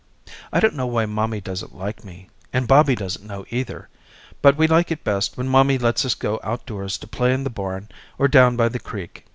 I don't know why mommy doesn't like me and Bobby doesn't know either, but we like it best when mommy lets us go outdoors to play in the barn or down by the creek.